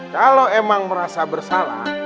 kalau emang merasa bersalah